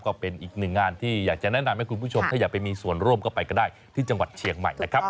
ก็เป็นอีกหนึ่งงานที่อยากจะแนะนำให้คุณผู้ชมถ้าอยากไปมีส่วนร่วมก็ไปก็ได้ที่จังหวัดเชียงใหม่นะครับ